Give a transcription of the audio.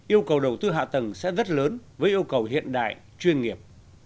yêu cầu đầu tư hạ tầng sẽ rất lớn với yêu cầu hiện đại chuyên nghiệp